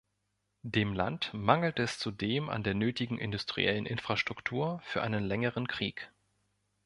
Dem Land mangelte es zudem an der nötigen industriellen Infrastruktur für einen längeren Krieg.